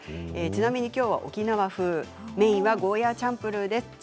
ちなみに、きょうは沖縄風メインはゴーヤーチャンプルーです。